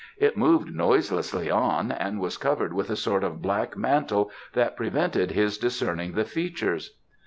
It moved noiselessly on, and was covered with a sort of black mantle that prevented his discerning the features.